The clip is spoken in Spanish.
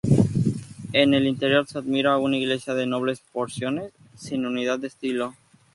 En el interior se admira una iglesia de nobles porciones, sin unidad de estilo.